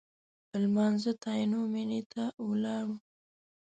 لمانځه ته عینومېنې ته ولاړو.